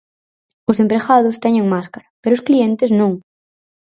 Os empregados teñen máscara, pero os clientes non.